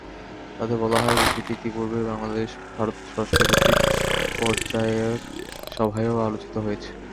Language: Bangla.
তাতে বলা হয়, বিষয়টি ইতিপূর্বে বাংলাদেশ-ভারত স্বরাষ্ট্রসচিব পর্যায়ের সভায়ও আলোচিত হয়েছে।